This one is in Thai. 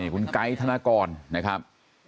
คุณไก๊ธนกรนะครับ